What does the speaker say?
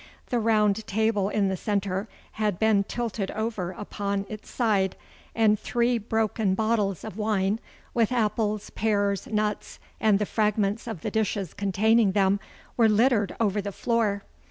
The round table in the centre had been tilted over upon its side, and three broken bottles of wine, with apples, pears, nuts, and the fragments of the dishes containing them, were littered over the floor.